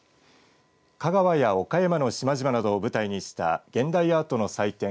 香川や岡山の島々などを舞台にした現代アートの祭典